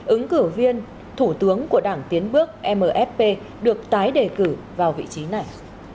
ứng cử viên thủ tướng của đảng tiến bước mfp được tái đề cử vào vị trí này